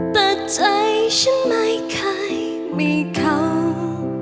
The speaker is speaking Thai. แต่ใจฉันไม่ได้หายไม่แค่คงจะต้องพูดถึง